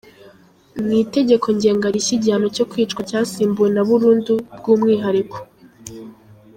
Mu Itegeko Ngenga rishya igihano cyo kwicwa cyasimbuwe na burundu bw’umwihariko